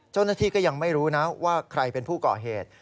เจ้าหน้าที่ก็ยังไม่รู้นะว่าใครเป็นผู้ก่อเหตุ